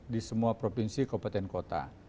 di semua provinsi kabupaten kota